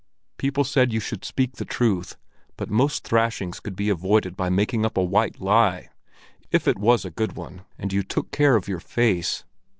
People said you should speak the truth, but most thrashings could be avoided by making up a white lie, if it was a good one and you took care of your face.